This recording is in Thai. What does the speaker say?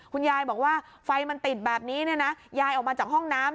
คุณยายบอกว่าไฟมันติดแบบนี้เนี่ยนะยายออกมาจากห้องน้ำ